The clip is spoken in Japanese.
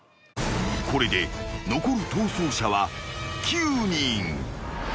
［これで残る逃走者は９人］